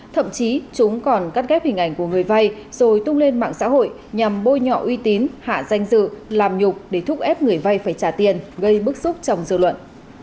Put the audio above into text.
thậm chí chúng còn cắt ghép hình ảnh của người vay rồi tung lên mạng xã hội nhằm bôi nhọ uy tín hạ danh dự làm nhục để thúc ép người vay phải trả tiền gây bức xúc trong dư luận